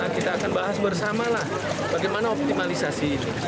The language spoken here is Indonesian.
kita akan bahas bersama lah bagaimana optimalisasi ini